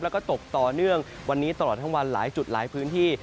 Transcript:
แล้วก็ตกต่อเนื่องวันนี้ตลอดทั้งวันหลายจุดหลายพื้นที่